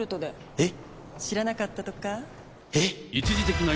えっ⁉